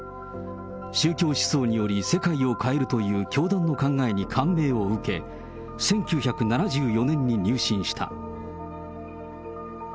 宗教思想により世界を変えるという教団の考えに感銘を受け、１９７４年に入信した。